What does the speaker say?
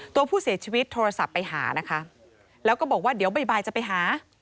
ตัวผู้เสียชีวิตโทรศัพท์ไปหานะคะแล้วก็บอกว่าเดี๋ยวบ่ายจะไปหา